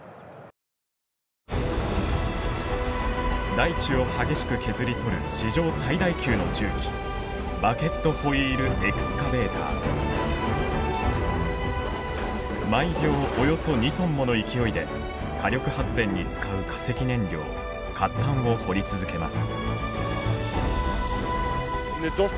大地を激しく削り取る史上最大級の重機毎秒およそ２トンもの勢いで火力発電に使う化石燃料褐炭を掘り続けます。